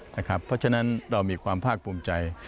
เพราะฉะนั้นเรามีความภาคภูมิใจ